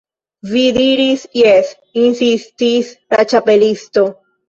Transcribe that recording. "Vi diris 'jes'" insistis la Ĉapelisto.